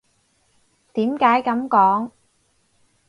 點解噉講？